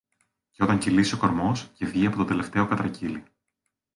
Και όταν κυλήσει ο κορμός και βγει από το τελευταίο κατρακύλι